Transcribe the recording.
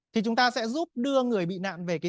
thì chúng ta sẽ giúp đưa người bị nạn về cái